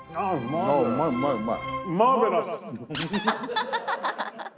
うまい！